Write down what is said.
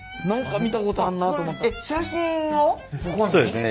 そうですね